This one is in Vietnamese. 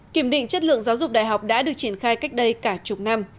kiểm định chất lượng giáo dục đại học đã được triển khai cách đây cả chục năm